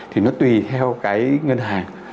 thì nó tùy theo cái ngân hàng